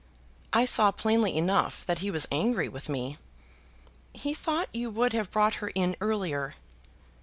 "I saw plainly enough that he was angry with me." "He thought you would have brought her in earlier."